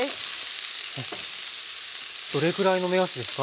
どれくらいの目安ですか？